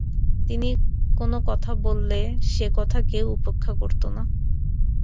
তিনি কোন কথা বললে সে কথা কেউ উপেক্ষা করতো না।